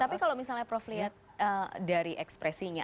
tapi kalau misalnya prof lihat dari ekspresinya